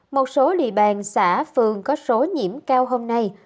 một số địa bàn xã phường có số nhiễm cao hôm nay